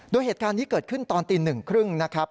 โดยเหตุการณ์นี้เกิดขึ้นตอนตีหนึ่งครึ่งนะครับ